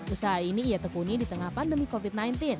usaha ini ia tekuni di tengah pandemi covid sembilan belas